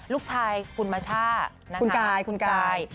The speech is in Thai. ลูกชายคุณมาช่าคุณกาย